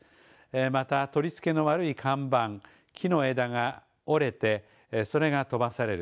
また、取り付けの悪い看板木の枝が折れてそれが飛ばされる。